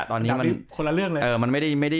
อันดับนี้คนละเรื่องเลย